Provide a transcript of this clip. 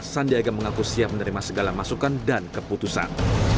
sandiaga mengaku siap menerima segala masukan dan keputusan